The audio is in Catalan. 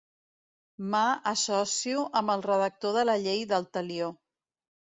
M'ha associo amb el redactor de la llei del Talió.